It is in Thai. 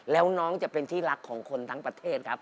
แล้วน้องจะเป็นที่รักของคนทั้งประเทศครับ